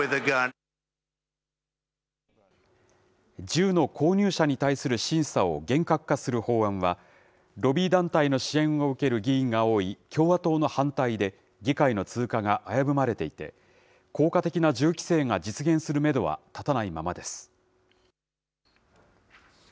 銃の購入者に対する審査を厳格化する法案は、ロビー団体の支援を受ける議員が多い共和党の反対で、議会の通過が危ぶまれていて、効果的な銃規制が実現するメドは立たないままです。